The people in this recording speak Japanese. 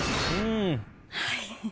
はい。